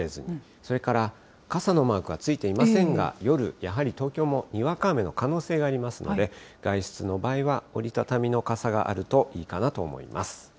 それから傘のマークはついていませんが、夜、やはり東京もにわか雨の可能性がありますので、外出の場合は、折り畳みの傘があるといいかなと思います。